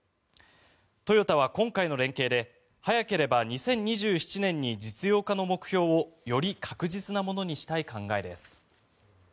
トヨタは今回の連携で早ければ２０２７年に実用化の目標をより確実なものにしたい考えです。